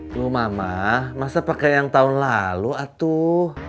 dulu mama masa pakai yang tahun lalu atuh